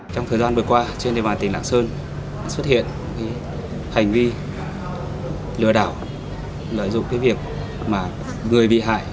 trong thời gian vừa qua trên địa bàn tỉnh lạng sơn xuất hiện cái hành vi lừa đảo lợi dụng cái việc mà người bị hại